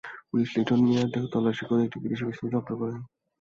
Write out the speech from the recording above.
Police Liton মিয়ার দেহ তল্লাশি করে একটি বিদেশি পিস্তল জব্দ করে।